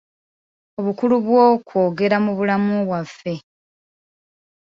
Obukulu bw’okwogera mu bulamu bwaffe.